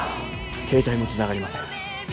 携帯もつながりません